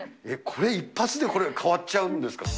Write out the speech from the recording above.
これ一発で変わっちゃうんですか。